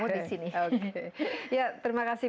mau di sini oke ya terima kasih